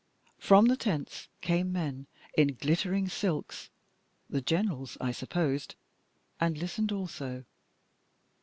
From the tents came men in glittering silks (the Generals, I supposed) and listened also.